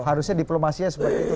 harusnya diplomasi seperti itu